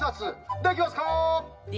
できます！